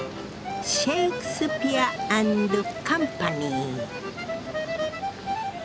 シェイクスピア・アンド・カンパニー。